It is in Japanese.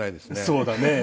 そうだね。